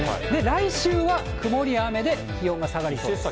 来週は曇りや雨で、気温が下がりそうです。